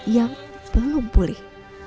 yang belum pulih